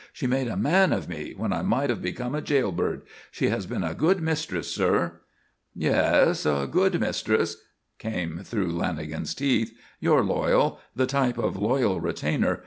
She made a man of me when I might have become a jailbird. She has been a good mistress, sir." "Yes, a good mistress," came through Lanagan's teeth. "You're loyal. The type of loyal retainer.